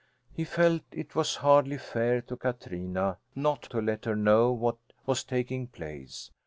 He felt it was hardly fair to Katrina not to let her know what was taking place.